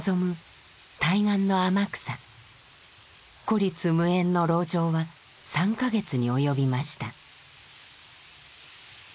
孤立無援の籠城は３か月に及びました。